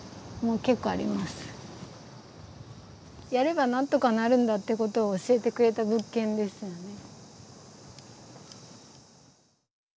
やればなんとかなるんだってことを教えてくれた物件ですよね。